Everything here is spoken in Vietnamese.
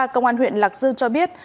công an huyện lạc dương cho biết